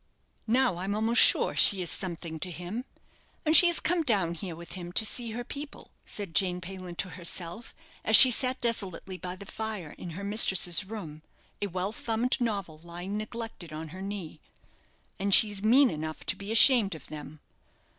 "Now I'm almost sure she is something to him; and she has come down here with him to see her people," said Jane Payland to herself, as she sat desolately by the fire in her mistress's room, a well thumbed novel lying neglected on her knee; "and she's mean enough to be ashamed of them.